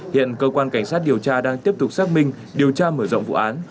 hiện cơ quan cảnh sát điều tra đang tiếp tục xác minh điều tra mở rộng vụ án